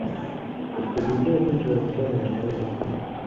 Ekyo kye tuyita okuzza omukono emabega.